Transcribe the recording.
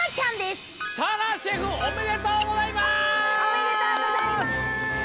おめでとうございます。